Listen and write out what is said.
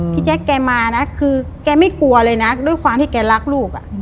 แจ๊คแกมานะคือแกไม่กลัวเลยนะด้วยความที่แกรักลูก